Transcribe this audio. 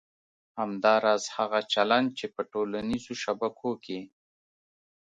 همداراز هغه چلند چې په ټولنیزو شبکو کې